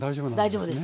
大丈夫です。